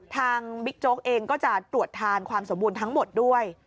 บิ๊กโจ๊กเองก็จะตรวจทานความสมบูรณ์ทั้งหมดด้วย